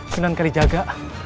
sunan kali jaga